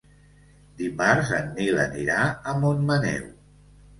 Dimarts en Nil anirà a Montmaneu.